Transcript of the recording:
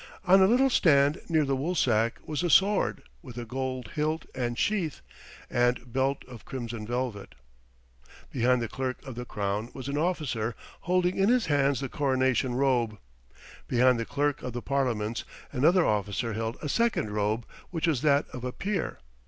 On a little stand, near the woolsack, was a sword, with a gold hilt and sheath, and belt of crimson velvet. Behind the Clerk of the Crown was an officer holding in his hands the coronation robe. Behind the Clerk of the Parliaments another officer held a second robe, which was that of a peer.